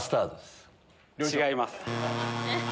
違います。